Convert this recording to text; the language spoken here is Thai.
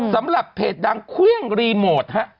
สำหรับเพจดังเครื่องรีโมทฮะ